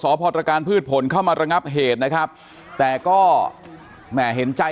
พตรการพืชผลเข้ามาระงับเหตุนะครับแต่ก็แหม่เห็นใจ